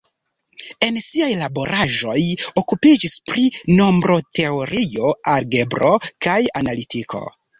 En siaj laboraĵoj okupiĝis pri nombroteorio, algebro kaj analitiko.